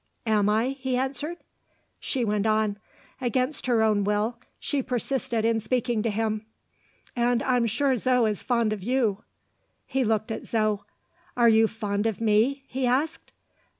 "Am I?" he answered. She went on. Against her own will, she persisted in speaking to him. "And I'm sure Zo is fond of you." He looked at Zo. "Are you fond of me?" he asked.